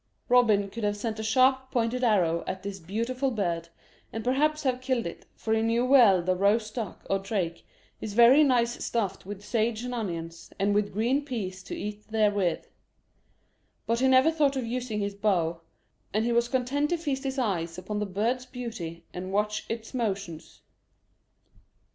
Robin could have sent a sharp pointed arrow at this beautiful bird, and perhaps have killed it, for he knew well that roast duck or drake is very nice stuffed with sage and onions, and with green peas to eat therewith; but he never thought of using his bow, and he was content to feast his eyes upon the bird's beauty and watch its motions.